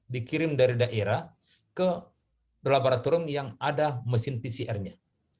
dikirim dari daerah ke laboratorium yang ada mesin pcr nya